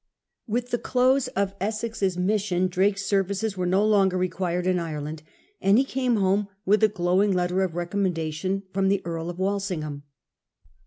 With the close of Essex's mission Drake's services were no longer required in Ireland, and he came home with a glowing letter of recommendation from the Earl to Walsingham.